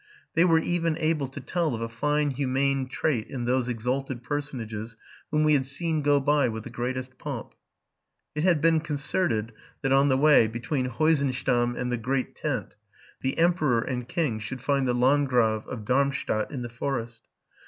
They * RELATING TO MY LIFE. 161 were even able to tell of a fine humane trait in those exalted personages whom we had seen go by with the greatest pomp. It had been concerted, that on the way, between Heusen stamm and the great tent, the emperor and king should find the Landgrave of Darmstadt in the forest.